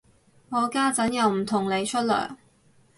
我家陣又唔同你出糧